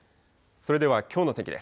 それではきょうの天気です。